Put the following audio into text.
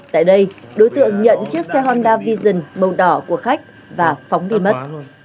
tại đây đối tượng nhận chiếc xe honda vision màu đỏ của khách và phóng đi mất